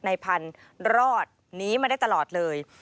ในพันธุ์รอดหนีมาได้ตลอดเลย